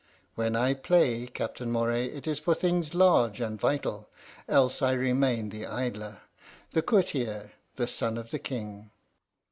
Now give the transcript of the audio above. When I play, Captain Moray, it is for things large and vital. Else I remain the idler, the courtier the son of the King."